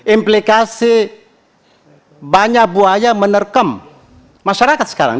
implikasi banyak buaya menerkam masyarakat sekarang